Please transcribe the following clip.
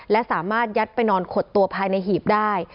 และสามารถยัดไปนอนขดตัวภายในหีบได้